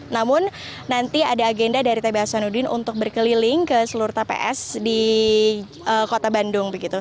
namun nanti ada agenda dari tb hasanuddin untuk berkeliling ke seluruh tps di kota bandung